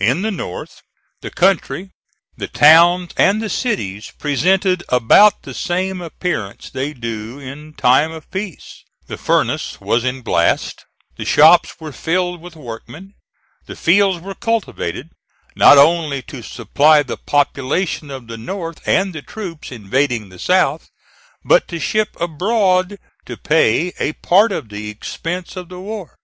In the North, the country, the towns and the cities presented about the same appearance they do in time of peace. The furnace was in blast, the shops were filled with workmen, the fields were cultivated, not only to supply the population of the North and the troops invading the South, but to ship abroad to pay a part of the expense of the war.